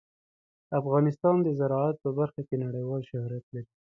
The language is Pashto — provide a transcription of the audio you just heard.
افغانستان د زراعت په برخه کې نړیوال شهرت لري.